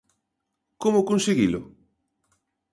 Como conseguilo?